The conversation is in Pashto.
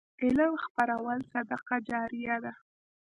علم خپرول صدقه جاریه ده.